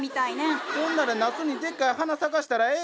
ほんならナスにでっかい花咲かしたらええがな。